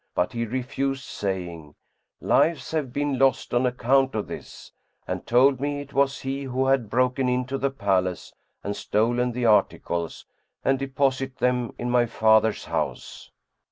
but he refused, saying, 'Lives have been lost on account of this'; and told me it was he who had broken into the palace and stolen the articles and deposited them in my father's house."